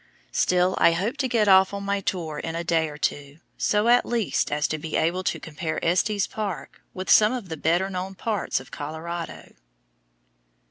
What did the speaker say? Still I hope to get off on my tour in a day or two, so at least as to be able to compare Estes Park with some of the better known parts of Colorado.